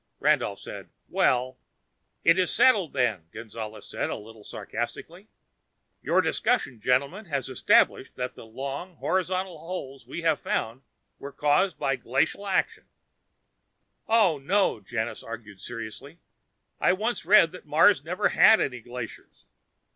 Randolph said, "Well...." "It is settled, then," Gonzales said, a little sarcastically. "Your discussion, gentlemen, has established that the long, horizontal holes we have found were caused by glacial action." "Oh, no," Janus argued seriously. "I once read that Mars never had any glaciers."